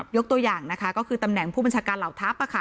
ยกตัวอย่างนะคะก็คือตำแหน่งผู้บัญชาการเหล่าทัพ